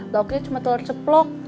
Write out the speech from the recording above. loketnya cuma telur ceplok